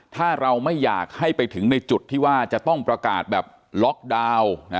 ถ้าเราไม่อยากให้ไปถึงในจุดที่ว่าจะต้องประกาศแบบล็อกดาวน์